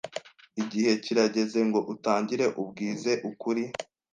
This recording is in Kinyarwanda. Igihe kirageze ngo utangire umbwize ukuri.